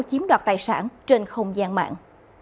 chiếm đoạt tài sản trên không gian mạng